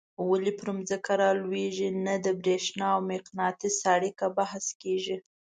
ولي پر ځمکه رالویږي نه د برېښنا او مقناطیس اړیکه بحث کیږي.